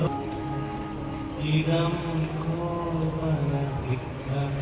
สวัสดีครับสวัสดีครับ